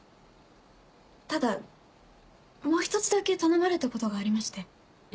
ただもう一つだけ頼まれたことがありまして。